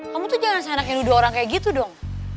kamu tuh jangan seenaknya dua orang kayak gitu dong